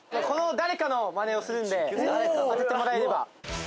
この誰かのマネをするんで当ててもらえれば。